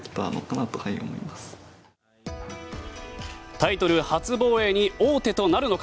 タイトル初防衛に王手となるのか。